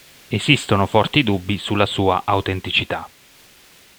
Esistono forti dubbi sulla sua autenticità.